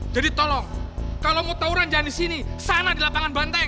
jadi tolong kalau mau tawuran jangan disini sana di lapangan banteng